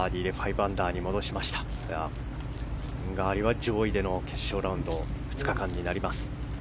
トリンガーリは上位での決勝ラウンド２日間になります。